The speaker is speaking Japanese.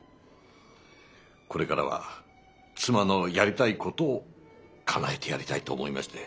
これからは妻のやりたいことをかなえてやりたいと思いまして。